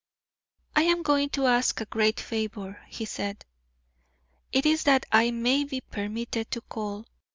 "I am going to ask a great favor," he said; "it is that I may be permitted to call.